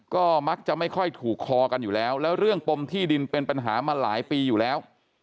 ก็มักจะไม่ค่อยถูกคอกันอยู่แล้วแล้วเรื่องปมที่ดินเป็นปัญหามาหลายปีอยู่แล้ว